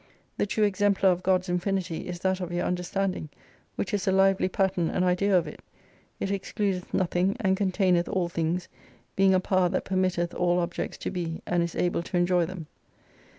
The true exemplar of God's infinity is that of your understanding, which is a lively pattern and idea of it It excludeth nothing, and containeth all things, being a power that permitteth all objects to be, and is able to enjoy them.